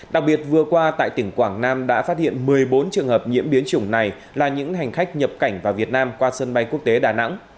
đặc biệt vừa qua tại tỉnh quảng nam đã phát hiện một mươi bốn trường hợp nhiễm biến chủng này là những hành khách nhập cảnh vào việt nam qua sân bay quốc tế đà nẵng